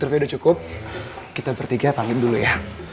kok dim eh ya udah ya cukup kita bertiga panggil dulu ya